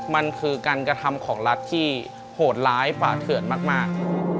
มันคือการกระทำของรัฐที่โหดร้ายฝ่าเถื่อนมาก